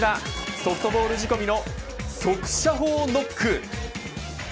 ソフトボールじこみの速射砲ノック。